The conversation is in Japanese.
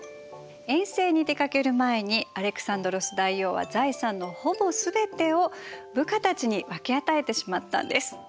遠征に出かける前にアレクサンドロス大王は財産のほぼすべてを部下たちに分け与えてしまったんです。